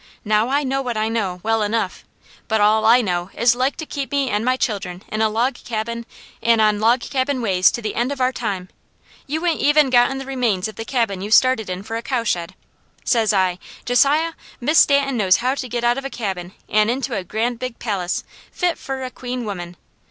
Now I know what I know, well enough, but all I know is like to keep me an' my children in a log cabin an' on log cabin ways to the end of our time. You ain't even got the remains of the cabin you started in for a cow shed.' Says I, 'Josiah, Miss Stanton knows how to get out of a cabin an' into a grand big palace, fit fur a queen woman.